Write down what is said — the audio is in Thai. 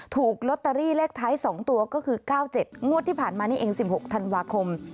ถูกลอตเตอรี่เลขท้าย๒ตัวก็คือ๙๗งวดที่ผ่านมานี่เอง๑๖ธันวาคม